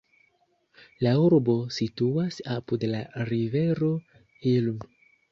La urbo situas apud la rivero Ilm.